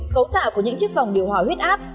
cấu tạo của những chiếc vòng điều hòa huyết áp